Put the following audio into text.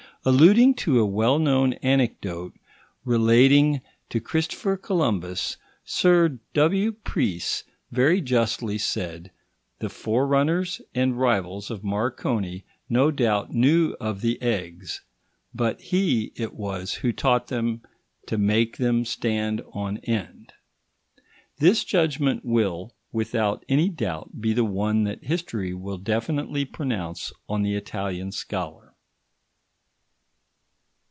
Alluding to a well known anecdote relating to Christopher Columbus, Sir W. Preece very justly said: "The forerunners and rivals of Marconi no doubt knew of the eggs, but he it was who taught them to make them stand on end." This judgment will, without any doubt, be the one that history will definitely pronounce on the Italian scholar.